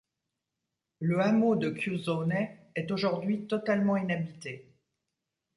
La hameau de Chiusone est aujourd’hui totalement inhabité.